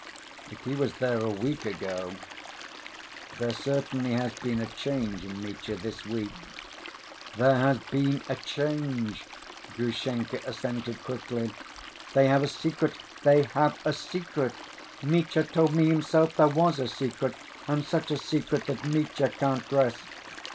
if he was there a week ago ... there certainly has been a change in Mitya this week." "There has been a change," Grushenka assented quickly. "They have a secret, they have a secret! Mitya told me himself there was a secret, and such a secret that Mitya can't rest.